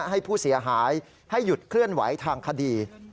ให้ผู้เสียหายให้หยุดเคลื่อนไหวทางคดี